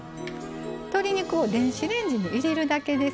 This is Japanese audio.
鶏肉を電子レンジに入れるだけです。